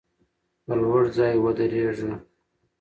پر لوړ ځای ودریږه.